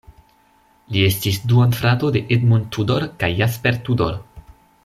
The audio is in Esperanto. Li estis duonfrato de Edmund Tudor kaj Jasper Tudor.